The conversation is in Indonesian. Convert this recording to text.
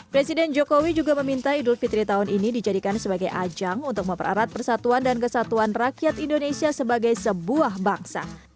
presiden jokowi juga meminta idul fitri tahun ini dijadikan sebagai ajang untuk memperarat persatuan dan kesatuan rakyat indonesia sebagai sebuah bangsa